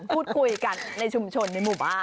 พูดคุยกันในชุมชนในหมู่บ้าน